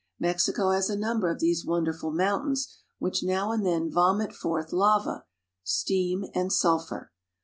Mexico has a number of these wonderful mountains, which now and then vomit forth lava, steam, and sulphur.